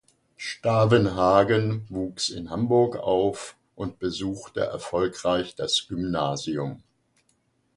Stavenhagen wuchs in Hamburg auf und besuchte erfolgreich das Gymnasium.